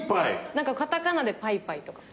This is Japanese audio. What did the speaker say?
なんかカタカナでパイパイとか。